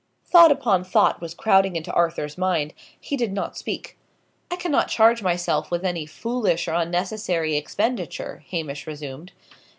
Thought upon thought was crowding into Arthur's mind. He did not speak. "I cannot charge myself with any foolish or unnecessary expenditure," Hamish resumed.